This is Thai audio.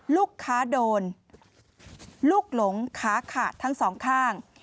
ลูกค้าโดนลูกหลงขาขาดทั้งสองข้าง